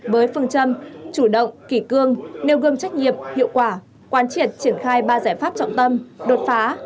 với phương châm chủ động kỷ cương nêu gương trách nhiệm hiệu quả quan triệt triển khai ba giải pháp trọng tâm đột phá